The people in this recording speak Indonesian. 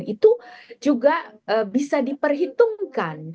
itu juga bisa diperhitungkan